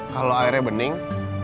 kalau airnya bening